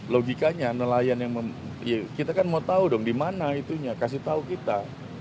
logikanya nelayan yang kita kan mau tahu dong di mana itunya kasih tahu kita